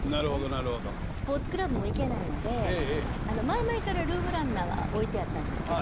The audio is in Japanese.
スポーツクラブも行けないので前々からルームランナーは置いてあったんですけど。